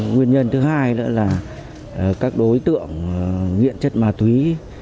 nguyên nhân thứ hai nữa là các đối tượng nghiện chất ma túy